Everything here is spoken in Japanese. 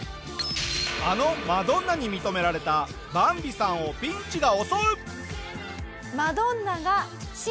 あのマドンナに認められたバンビさんをピンチが襲う！